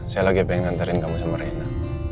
saya lagi pengen nganterin kamu sama reina